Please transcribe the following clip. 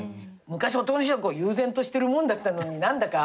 昔男の人は悠然としてるもんだったのに何だか。